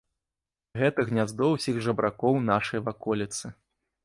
Гэта гняздо ўсіх жабракоў нашай ваколіцы.